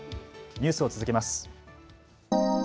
ニュースを続けます。